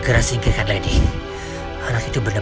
emir tengger sudah